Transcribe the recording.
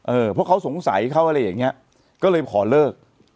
เพราะเขาสงสัยเขาอะไรอย่างเงี้ยก็เลยขอเลิก